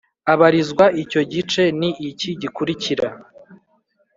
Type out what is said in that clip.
abarizwa Icyo gice ni iki gikurikira